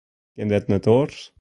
Kin dat net oars?